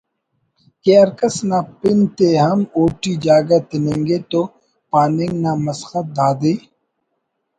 کہ ہر کس نا پن تے ہم اوٹی جاگہ تننگے تو پاننگ نا مسخت دادے